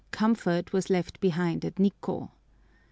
Comfort was left behind at Nikkô!